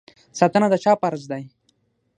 ساتنه د چا فرض دی؟